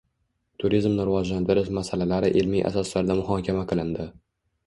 Turizmni rivojlantirish masalalari ilmiy asoslarda muhokama qilindi